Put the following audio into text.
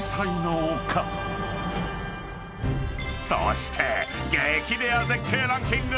［そして激レア絶景ランキング